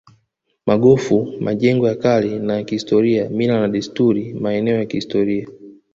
Magofu majengo ya kale na ya kihistoria mila na desturi maeneo ya kihistoria